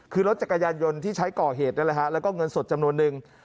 คือรถจักรยานยนต์ที่ใช้ก่อเหตุนั่นแหละฮะแล้วก็เงินสดจำนวนนึง